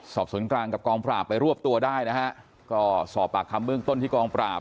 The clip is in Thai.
สอบสวนกลางกับกองปราบไปรวบตัวได้นะฮะก็สอบปากคำเบื้องต้นที่กองปราบ